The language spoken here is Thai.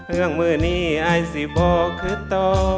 เรื่องมือนี้ไอซิบอกคือต่อ